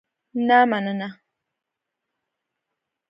نه مننه.